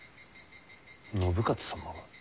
信雄様が？